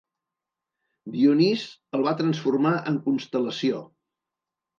Dionís el va transformar en constel·lació.